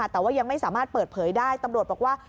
แต่ว่ายังไม่สามารถเปิดเผยได้ตำรวจบอกว่า